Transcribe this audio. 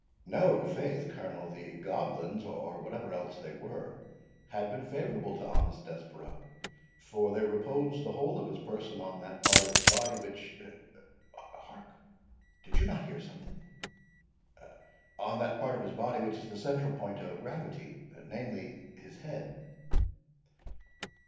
"No, faith, Colonel; the goblins, or whatever else they were, had been favourable to honest Desborough, for they reposed the whole of his person on that part of his body which—Hark, did you not hear something?—is the central point of gravity, namely, his head."